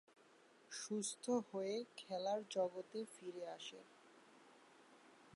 সুস্থ হয়ে খেলার জগতে ফিরে আসেন।